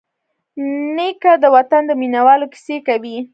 نیکه د وطن د مینوالو کیسې کوي.